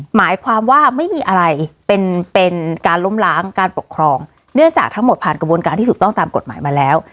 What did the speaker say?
หมายความว่าไม่มีอะไรเป็นเป็นการล้มล้างการปกครองเนื่องจากทั้งหมดผ่านกระบวนการที่ถูกต้องตามกฎหมายมาแล้ว